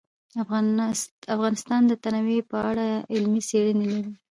افغانستان د تنوع په اړه علمي څېړنې لري.